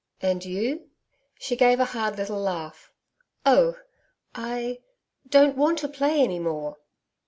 'And you?' She gave a hard little laugh. 'Oh! I don't want to play any more.'